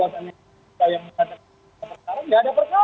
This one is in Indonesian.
tidak ada masalah